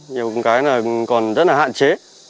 nhiều cái còn rất là hạn chế